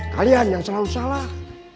kalian yang selalu salah